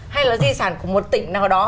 hay là di sản của một tỉnh nào đó